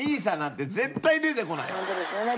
本当ですよね。